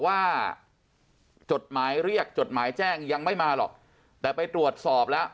จดหมายเรียกจดหมายแจ้งยังไม่มาหรอกแต่ไปตรวจสอบแล้ว